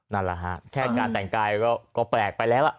นั่นแหละฮะแค่การแต่งกายก็แปลกไปแล้วล่ะ